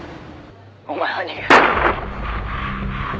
「お前は逃げ」「」